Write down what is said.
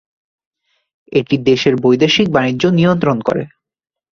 এটি দেশের বৈদেশিক বাণিজ্য নিয়ন্ত্রণ করে।